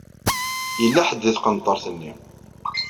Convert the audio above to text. Yella ḥedd di tqenṭaṛt-nni.